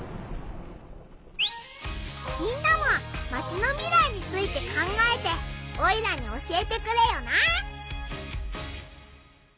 みんなもマチの未来について考えてオイラに教えてくれよな！